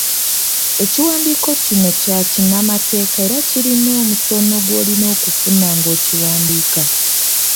Ekiwandiiko kino kya kinnamateeka era kirina omusono gw'olina okufaako ng'okiwandiika.